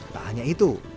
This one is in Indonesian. tak hanya itu